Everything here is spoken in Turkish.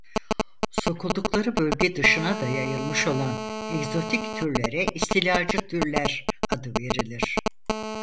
Sokuldukları bölge dışına da yayılmış olan egzotik türlere istilacı türler adı verilir.